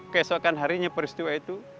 keesokan harinya peristiwa itu